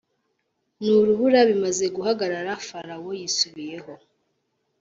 N urubura bimaze guhagarara farawo yisubiyeho